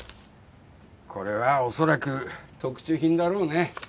これは恐らく特注品だろうね。